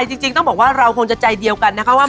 ที่มา้วกับเราในวันนี้ค่ะ